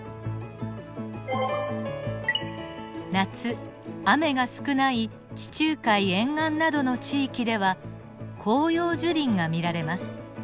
夏雨が少ない地中海沿岸などの地域では硬葉樹林が見られます。